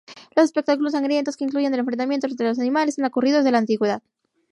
Los espectáculos sangrientos que incluyen el enfrentamiento entre animales han ocurrido desde la antigüedad.